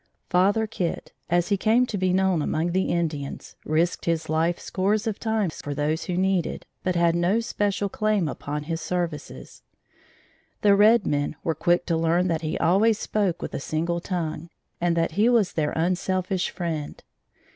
Father Kit, as he came to be known among the Indians, risked his life scores of times for those who needed, but had no special claim upon his services. The red men were quick to learn that he always spoke with a "single tongue," and that he was their unselfish friend.